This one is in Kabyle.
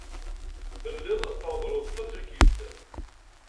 Telliḍ treḍḍleḍ-d taselkimt.